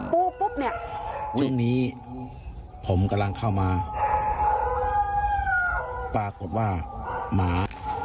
ปุ๊บเนี่ยเรื่องนี้ผมกำลังเข้ามาปรากฏว่าหมา